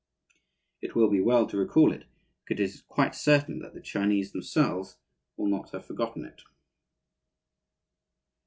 It will be well to recall it, because it is quite certain that the Chinese themselves will not have forgotten it.